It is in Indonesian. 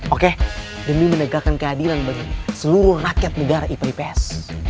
oke demi menegakkan keadilan bagi seluruh rakyat negara ips